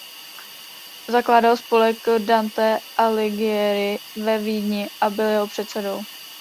Zakládal spolek Dante Alighieri ve Vídni a byl jeho předsedou.